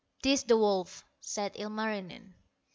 "'Tis the wolf", said Ilmarinen.